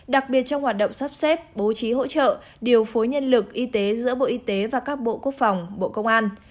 đặc biệt trong hoạt động sắp xếp bố trí hỗ trợ điều phối nhân lực y tế giữa bộ y tế và các bộ quốc phòng bộ công an